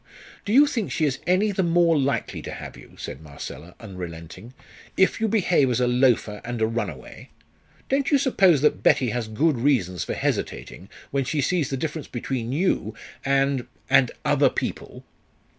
"Do you think she is any the more likely to have you," said Marcella, unrelenting, "if you behave as a loafer and a runaway? Don't you suppose that Betty has good reasons for hesitating when she sees the difference between you and and other people?"